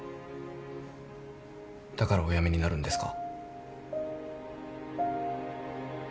だからお辞めになるんですか？